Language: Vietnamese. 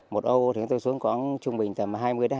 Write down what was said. một hộ thì chúng tôi xuống có trung bình tầm hai mươi hai mươi năm